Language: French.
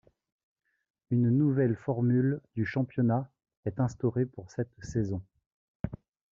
Une nouvelle formule du championnat est instaurée pour cette saison.